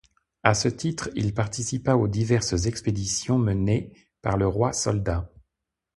À ce titre il participa aux diverses expéditions menées par le roi-soldat.